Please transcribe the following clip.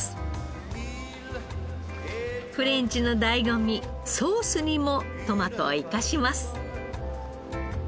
フレンチの醍醐味ソースにもトマトを生かします。